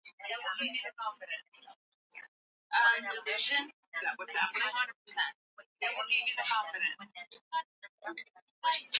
nyumbani msimu wa sikukuu Wengi wao wamekuwa wakitoka sehemu mbalimbali za nchi na hata